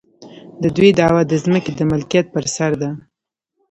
د دوی دعوه د ځمکې د ملکیت پر سر ده.